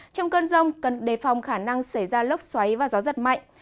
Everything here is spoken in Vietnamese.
trong cơn rông cần đề phòng khả năng xảy ra lốc xoáy và gió giật mạnh